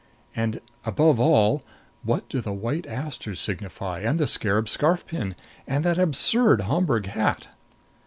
And, above all, what do the white asters signify? And the scarab scarf pin? And that absurd Homburg hat?